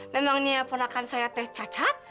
memangnya pernahkan saya teh cacat